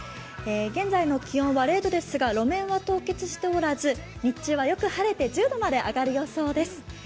現在の気温は０度ですが路面は凍結しておらず日中はよく晴れて１０度まで上がる予想です。